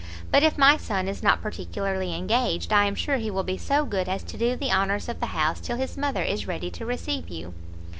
But if my son is not particularly engaged, I am sure he will be so good as to do the honours of the house till his mother is ready to receive you."